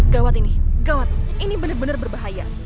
gawat ini gawat ini bener bener berbahaya